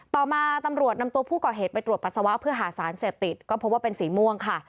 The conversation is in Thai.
ต่อมาตำรวจนำตัวผู้ก่อเหตุไปตรวจปัสสาวะเพื่อหาสารเสพติดก็พบว่าเป็นสีม่วงค่ะ